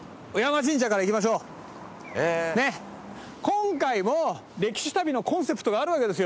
今回も歴史旅のコンセプトがあるわけですよ。